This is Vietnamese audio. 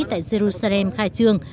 tại jerusalem khai trương